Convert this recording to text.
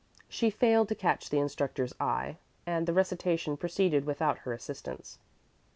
She failed to catch the instructor's eye, and the recitation proceeded without her assistance.